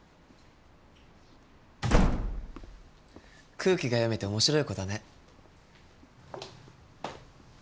空気が読めて面白い子だね。